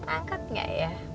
angkat enggak ya